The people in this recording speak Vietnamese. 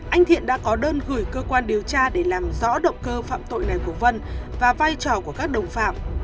anh thiện đã có đơn gửi cơ quan điều tra để làm rõ động cơ phạm tội này của vân và vai trò của các đồng phạm